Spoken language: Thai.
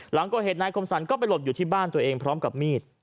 หลังก่อเหตุนายคมสรรก็ไปหลบอยู่ที่บ้านตัวเองพร้อมกับมีด